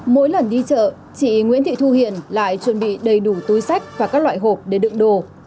mỗi lần đi chợ chị nguyễn thị thu hiền lại chuẩn bị đầy đủ túi sách và các loại hộp để đựng đồ